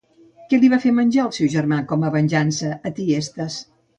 Què li va fer menjar el seu germà com a venjança a Tiestes?